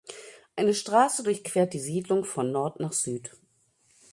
Eine Straße durchquert die Siedlung von Nord nach Süd.